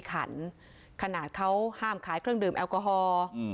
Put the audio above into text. ถ้างั้นเค้าห้ามขายเครื่องดื่มแอลกอฮอล์